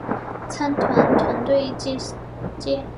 参展团队简介